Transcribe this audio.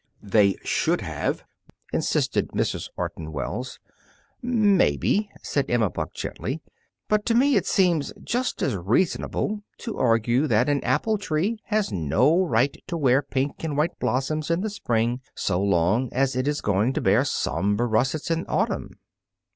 "They should have," insisted Mrs. Orton Wells. "Maybe," said Emma Buck gently. "But to me it seems just as reasonable to argue that an apple tree has no right to wear pink and white blossoms in the spring, so long as it is going to bear sober russets in the autumn."